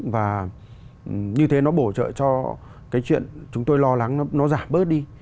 và như thế nó bổ trợ cho cái chuyện chúng tôi lo lắng nó giảm bớt đi